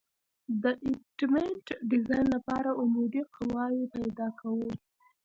د ابټمنټ ډیزاین لپاره عمودي قواوې پیدا کوو